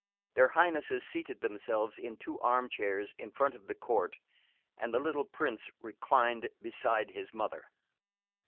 Their Highnesses seated themselves in two armchairs in front of the court, and the little prince reclined beside his mother.